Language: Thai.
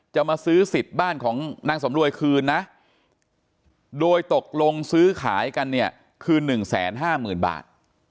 จะมาซื้อสิทธิ์บ้านของนางสำรวยคืนนะโดยตกลงซื้อขายกันเนี่ยคืนหนึ่งแสนห้าหมื่นบาท